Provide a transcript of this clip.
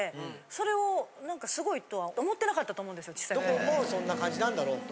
どこもそんな感じなんだろうと。